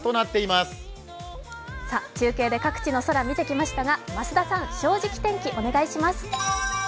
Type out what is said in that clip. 中継で各地の空を見てきましたが増田さん、「正直天気」お願いします。